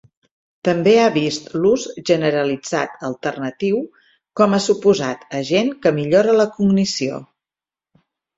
També ha vist l'ús generalitzat alternatiu com a suposat agent que millora la cognició.